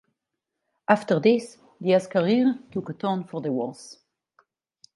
After this, Dias' career took a turn for the worse.